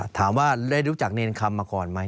ถามว่าได้รู้จักเนรคำมาก่อนไหม